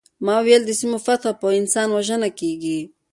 ما به ویل د سیمو فتح په انسان وژنه کیږي